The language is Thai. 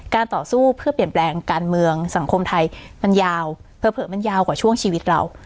ต่อสู้เพื่อเปลี่ยนแปลงการเมืองสังคมไทยมันยาวเผลอมันยาวกว่าช่วงชีวิตเรา